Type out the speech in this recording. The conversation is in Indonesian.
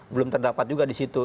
belum terdapat juga disitu